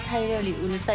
うるさい？